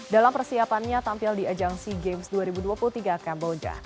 dalam persiapannya tampil di ajang sea games dua ribu dua puluh tiga kamboja